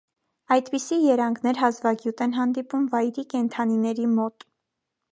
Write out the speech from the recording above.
Այդպիսի երանգներ հազվագյուտ են հանդիպում վայրի կենդանիների մոտ։